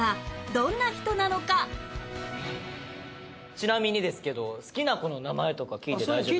ちなみにですけど好きな子の名前とか聞いて大丈夫ですか？